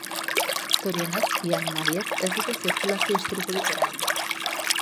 Zorionez, bi animaliek ez dute zirkulazio istripurik eragin.